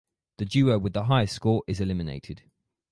The duo with the highest score is eliminated.